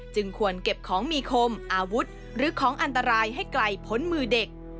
ควรเก็บของมีคมอาวุธหรือของอันตรายให้ไกลพ้นมือเด็ก